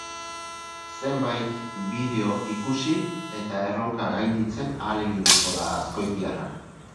Zenbait bideo ikusi eta erronka gainditzen ahaleginduko da azkoitiarra.